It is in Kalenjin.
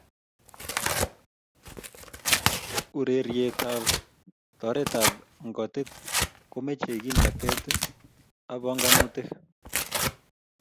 Urerietab toreetab ng'otit komochei kimnateet ak pongonutik